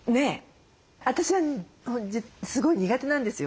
私はすごい苦手なんですよ。